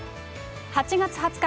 ８月２０日